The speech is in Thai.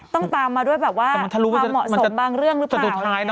ต้องตามมาด้วยแบบว่าความเหมาะสมบางเรื่องหรือเปล่านะครับแต่มันทะลุมันจะ